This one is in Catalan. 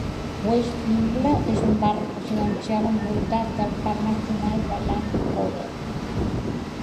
West Pymble és un barri residencial, envoltat del parc nacional de Lane Cove.